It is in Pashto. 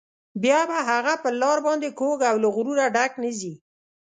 بیا به هغه پر لار باندې کوږ او له غروره ډک نه ځي.